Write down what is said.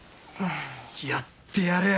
やってやる！